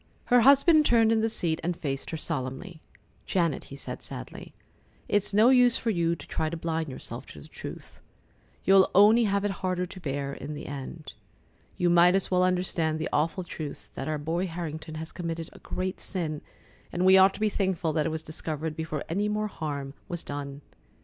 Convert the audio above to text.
Her husband turned in the seat and faced her solemnly. "Janet," he said sadly, "it's no use for you to try to blind yourself to the truth. You'll only have it harder to bear in the end. You might as well understand the awful truth that our boy Harrington has committed a great sin, and we ought to be thankful that it was discovered before any more harm was done.